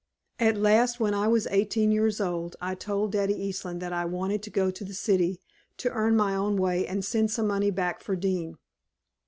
"At last, when I was eighteen years old, I told Daddy Eastland that I wanted to go to the city to earn my own way and send some money back for Dean.